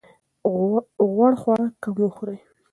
غوړ خواړه کم وخورئ.